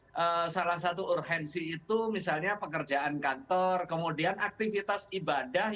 yang tidak menemukan urgensinya dan salah satu urgensi itu misalnya pekerjaan kantor kemudian aktivitas ibadah yang